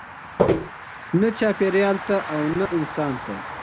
نه چاپیریال ته او نه انسان ته.